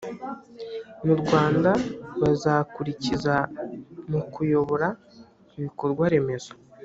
mu rwanda bazakurikiza mu kuyobora ibikorwa remezo